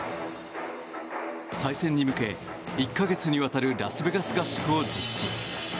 再戦に向け、１か月にわたるラスベガス合宿を実施。